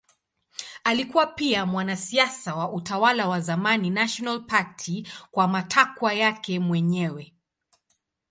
Alikuwa pia mwanasiasa wa utawala wa zamani National Party kwa matakwa yake mwenyewe.